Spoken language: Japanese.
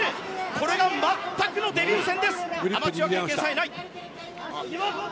これが、全くのデビュー戦。